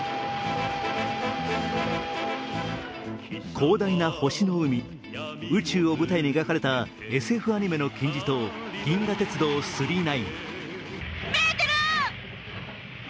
広大な星の海・宇宙を舞台に描かれたＳＦ漫画の金字塔「銀河鉄道９９９」。